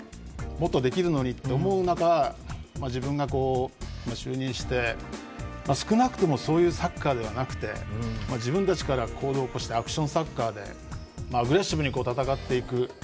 もっとできるのにと思う中自分が就任して、少なくともそういうサッカーではなくて自分たちから行動を起こしてアクションサッカーでアグレッシブに戦っていく。